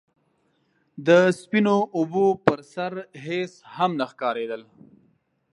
د سپينو اوبو پر سر هيڅ هم نه ښکارېدل.